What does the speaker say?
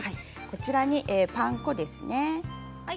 こちらにパン粉ですね。